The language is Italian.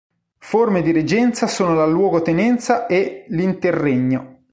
Forme di reggenza sono la luogotenenza e l'interregno.